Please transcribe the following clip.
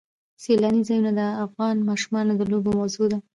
سیلاني ځایونه د افغان ماشومانو د لوبو موضوع ده.